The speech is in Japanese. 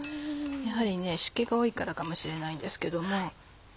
やはり湿気が多いからかもしれないんですけども。